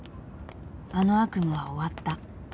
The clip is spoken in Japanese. あの悪夢は終わった］